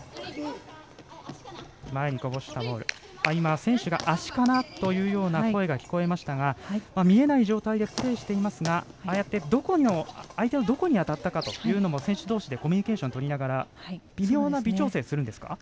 選手から足かな？という声が聞こえましたが見えない状態でプレーしていますがああやって相手のどこに当たったかというのも選手どうしでコミュニケーションとりながら微妙な微調整をするんですか。